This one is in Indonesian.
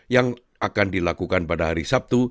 yang akan dilakukan pada hari sabtu